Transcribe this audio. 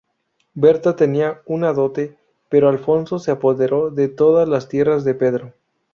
Berta tenía una dote, pero Alfonso se apoderó de todas las tierras de Pedro.